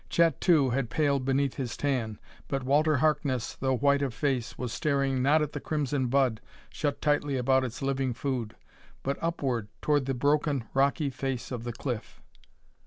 Chet, too, had paled beneath his tan. But Walter Harkness, though white of face, was staring not at the crimson bud, shut tightly about its living food, but upward toward the broken, rocky face of the cliff.